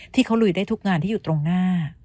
ที่เขาลุยได้ทุกงานที่อยู่ตรงหน้า